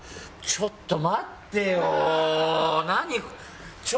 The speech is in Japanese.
ちょっと待ってよ！